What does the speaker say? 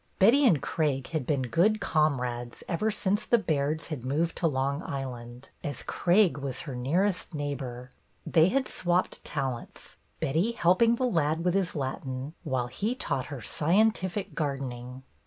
Betty and Craig had been good comrades ever since the Bairds had moved to Long Island, as Craig was her nearest neighbor. They had swapped talents, Betty helping the lad with his Latin, while he taught her scien tific gardening.